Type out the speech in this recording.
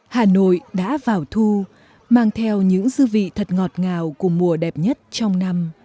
hà nội đã vào thu mang theo những dư vị thật ngọt ngào của mùa đẹp nhất trong năm